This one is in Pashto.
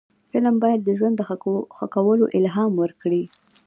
فلم باید د ژوند د ښه کولو الهام ورکړي